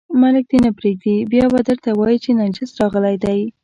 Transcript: ملک دې نه پرېږدي، بیا به درته وایي چې نجس راغلی دی.